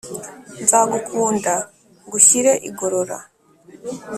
nzagukunda ngushyire igorora